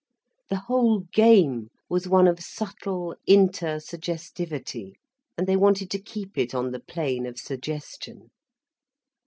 The whole game was one of subtle inter suggestivity, and they wanted to keep it on the plane of suggestion.